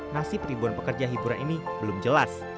nasib ribuan pekerja hiburan ini belum jelas